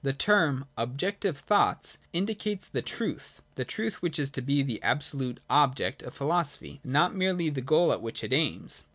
] The term ' Objective Thoughts ' indicates the truth — the truth which is to be the absolute object of philo 58 PRELIMINARY NOTION: [25. sophy, and not merely the goal at which it aims.